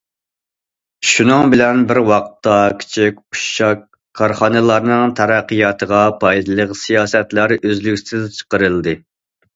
شۇنىڭ بىلەن بىر ۋاقىتتا، كىچىك، ئۇششاق كارخانىلارنىڭ تەرەققىياتىغا پايدىلىق سىياسەتلەر ئۆزلۈكسىز چىقىرىلدى.